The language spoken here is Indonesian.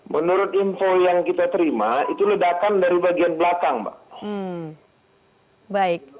menurut info yang kita terima itu ledakan dari bagian belakang pak